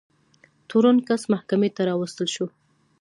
تورن کس محکمې ته راوستل شو.